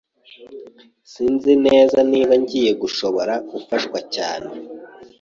Sinzi neza niba ngiye gushobora gufashwa cyane.